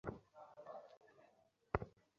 এই কুয়াশার ভেতরের রহস্য সম্পর্কে জানি না।